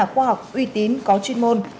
các nhà học là khoa học uy tín có chuyên môn